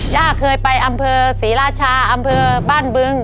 ย่าเคยไปอำเภอศรีราชาอำเภอบ้านบึง